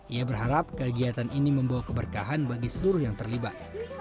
ia berharap kegiatan ini membawa keberkahan bagi seluruh yang terlibat